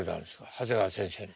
長谷川先生に。